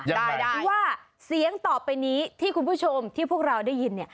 เพราะว่าเสียงต่อไปนี้ที่คุณผู้ชมที่พวกเราได้ยินเนี่ย